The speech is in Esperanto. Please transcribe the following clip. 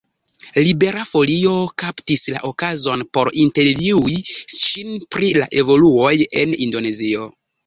Libera Folio kaptis la okazon por intervjui ŝin pri la evoluoj en Indonezio.